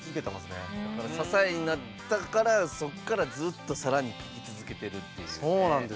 だから支えになったからそこからずっとさらに聴き続けてるっていうね。